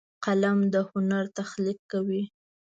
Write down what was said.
قلم د هنر تخلیق کوي